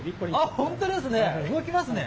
本当ですね。